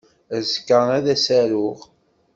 Azekka ad as-aruɣ.